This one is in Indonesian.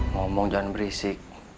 ngomong jangan berisik